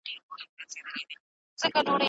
تاسو باید د مقالي لپاره یو ښه میتود وکاروئ.